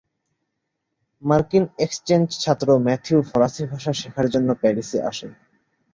মার্কিন এক্সচেঞ্জ ছাত্র ম্যাথিউ ফরাসি ভাষা শেখার জন্য প্যারিসে আসে।